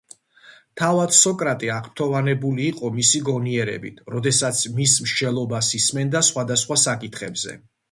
თავად სოკრატე აღფრთოვანებული იყო მისი გონიერებით, როდესაც მის მსჯელობას ისმენდა სხვადასხვა საკითხებზე.